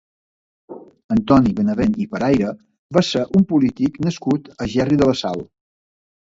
Antoni Benavent i Peraire va ser un polític nascut a Gerri de la Sal.